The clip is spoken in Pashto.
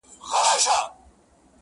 حاکم وویل عرضونه پر سلطان کړه،